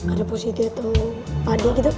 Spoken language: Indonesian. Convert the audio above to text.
ada posisi atau pandai gitu